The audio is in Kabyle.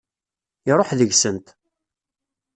Iṛuḥ deg-sent.